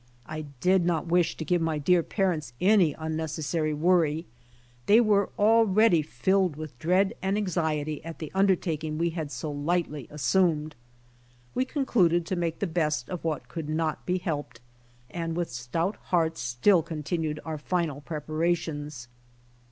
I did not wish to give my dear parents any unnecessary worry ; they were already filled with dread and anxiety at the undertaking we had so lightly assumed. We concluded to make the best of what could not be helped, and with stout hearts still continued our final, preparations.